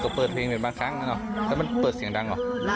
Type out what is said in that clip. ก็เปิดเพลงแบบบางครั้งแล้วมันเปิดเสียงดังเหรอ